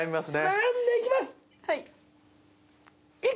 悩んでいきます。